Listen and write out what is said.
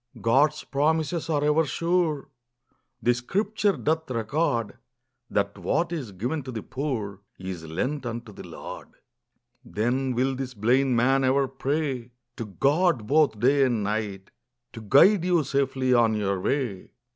God's promises are ever sure, • The scripture. <doth record That what is given to the poor ! Is lent unto the Lord. I Then will this blind man over pray ! To God both day and night I To guide you safely on your way